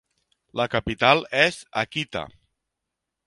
La capital és Akita.